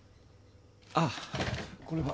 あっこれは。